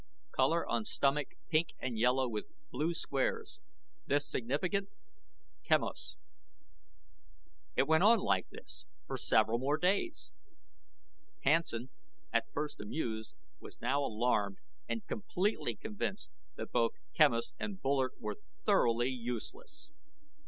COLOR ON STOMACH PINK AND YELLOW WITH BLUE SQUARES. THIS SIGNIFICANT? QUEMOS It went on like this for several more days. Hansen, at first amused, was now alarmed and completely convinced that both Quemos and Bullard were thoroughly useless.